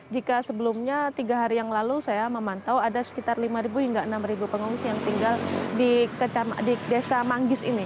jika sebelumnya tiga hari yang lalu saya memantau ada sekitar lima hingga enam pengungsi yang tinggal di desa manggis ini